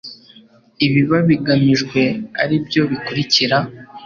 ibiba bigamijwe ari byo bikurikira